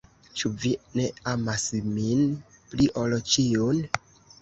Ĉu vi ne amas min pli ol ĉiun?